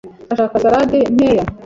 Urashaka salade nkeya? )